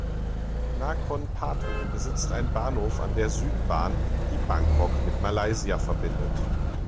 Nakhon Pathom besitzt einen Bahnhof an der Südbahn, die Bangkok mit Malaysia verbindet.